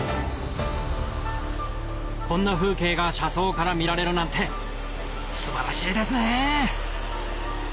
こんな風景が車窓から見られるなんて素晴らしいですね！